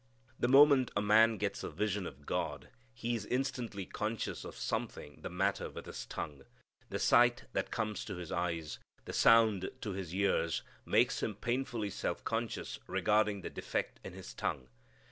The moment a man gets a vision of God he is instantly conscious of something the matter with his tongue. The sight that comes to his eyes, the sound to his ears makes him painfully self conscious regarding the defect in his tongue.